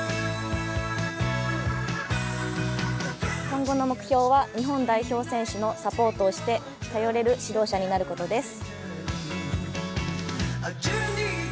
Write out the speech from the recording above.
今後の目標は日本代表選手のサポートをして頼れる指導者になることです。